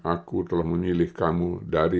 aku telah memilih kamu dari